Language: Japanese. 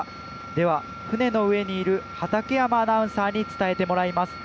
では船の上にいる畠山アナウンサーに伝えてもらいます。